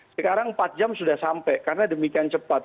sekarang empat jam sudah sampai karena demikian cepat